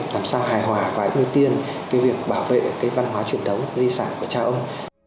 làm sao hài hòa và ưu tiên cái việc bảo vệ cái văn hóa truyền thống di sản của cha ông